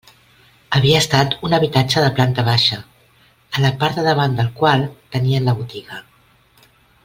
Havia estat un habitatge de planta baixa, a la part de davant del qual tenien la botiga.